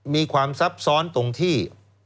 มีความซับซ้อนตรงที่